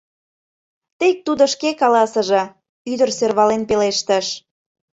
Тек тудо шке каласыже, — ӱдыр сӧрвален пелештыш.